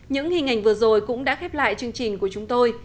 những hình ảnh vừa rồi cũng đã khép lại chương trình của chúng tôi